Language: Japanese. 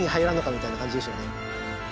みたいな感じでしょうね。